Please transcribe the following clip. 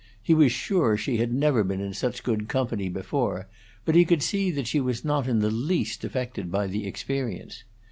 He was sure she had never been in such good company before, but he could see that she was not in the least affected by the experience.